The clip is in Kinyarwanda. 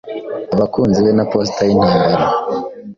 Abakunzi be na posita yintambara